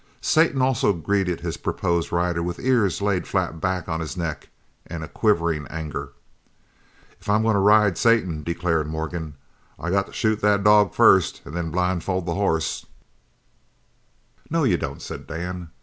Satan also greeted his proposed rider with ears laid flat back on his neck and a quivering anger. "If I'm goin' to ride Satan," declared Morgan, "I got to shoot the dog first and then blindfold the hoss." "No you don't," said Dan.